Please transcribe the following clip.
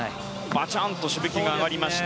バチャンとしぶきが上がりました。